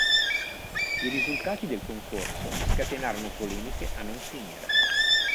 I risultati del concorso scatenarono polemiche a non finire.